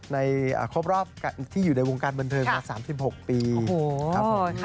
ครบรอบที่อยู่ในวงการบันเทิงมา๓๖ปีครับผม